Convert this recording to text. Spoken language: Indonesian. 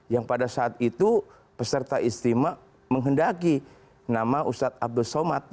yang pada saat itu peserta istimewa menghendaki nama ustadz abdul somad